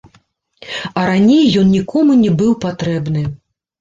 А раней ён нікому не быў патрэбны.